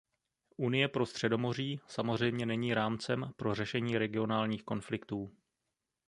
Unie pro Středomoří samozřejmě není rámcem pro řešení regionálních konfliktů.